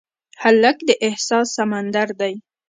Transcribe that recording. هلک د احساس سمندر دی.